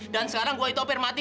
dan sekarang gue itu hampir mati